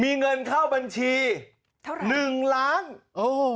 มีเงินเข้าบัญชีเท่าไหร่หนึ่งล้านโอ้